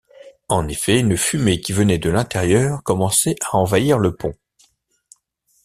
En effet, une fumée qui venait de l’intérieur commençait à envahir le pont.